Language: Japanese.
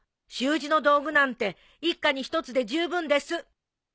習字の道具なんて一家に一つで十分です。